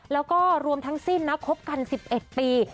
แล้วก็รวมทั้งสิ้นนะคบกัน๑๑ปี